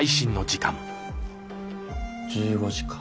１５時か。